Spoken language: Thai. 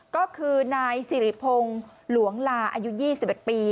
ก็คือนายสิริพงศ์หลวงลาอายุ๒๑ปี